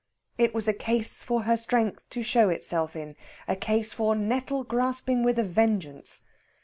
It was a case for her strength to show itself in a case for nettle grasping with a vengeance.